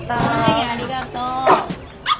はいありがとう。